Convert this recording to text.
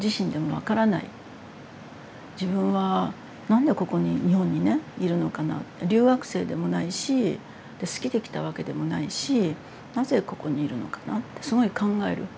自分は何でここに日本にねいるのかな留学生でもないし好きで来たわけでもないしなぜここにいるのかなってすごい考える。